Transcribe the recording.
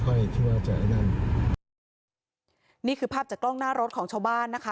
ก็ไม่ค่อยคิดว่าจะอย่างนั้นเนี้ยนี่คือภาพจากกล้องหน้ารถของชาวบ้านนะคะ